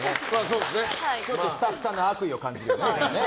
ちょっとスタッフさんの悪意を感じるね。